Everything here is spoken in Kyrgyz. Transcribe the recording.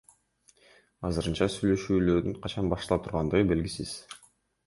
Азырынча сүйлөшүүлөрдүн качан баштала тургандыгы белгисиз.